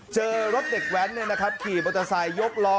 เจอรถเด็กแว้นเนี่ยนะครับขี่บอตเตอร์ไซค์ยกล้อ